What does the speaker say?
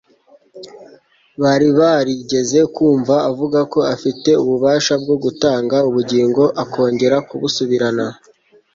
Bari barigeze kumva avuga ko afite ububasha bwo gutanga ubugingo akongera kubusubirana.